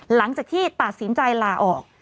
หลังจากที่ตัดสินใจลาออก